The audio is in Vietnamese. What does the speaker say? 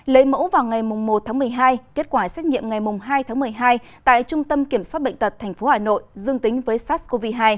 lấy mẫu vào ngày một tháng một mươi hai kết quả xét nghiệm ngày hai tháng một mươi hai tại trung tâm kiểm soát bệnh tật tp hà nội dương tính với sars cov hai